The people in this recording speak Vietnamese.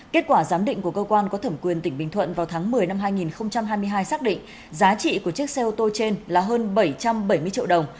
kết quả giám định của cơ quan có thẩm quyền tỉnh bình thuận vào tháng một mươi năm hai nghìn hai mươi hai xác định giá trị của chiếc xe ô tô trên là hơn bảy trăm bảy mươi triệu đồng